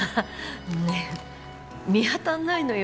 見当たんないのよ